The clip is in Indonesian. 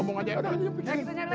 mau keset au precaut